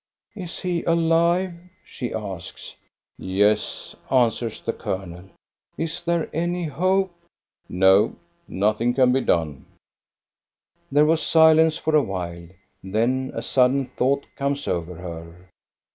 " Is he alive ?" she asks. Yes," answers the colonel. Is there any hope }" No. Nothing can be done." There was silence for a while; then a sudden thought comes over her.